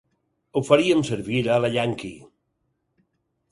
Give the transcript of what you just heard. Ho faríem servir a la ianqui.